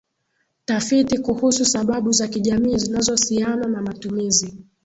Tafiti kuhusu sababu za kijamii zinazosiana na matumizi